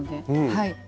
はい。